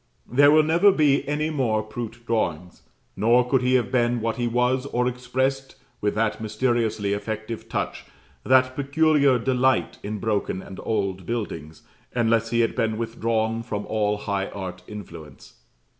There will never be any more Prout drawings. Nor could he have been what he was, or expressed with that mysteriously effective touch that peculiar delight in broken and old buildings, unless he had been withdrawn from all high art influence.